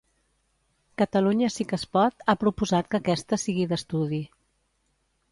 Catalunya Sí que es Pot ha proposat que aquesta sigui d'estudi.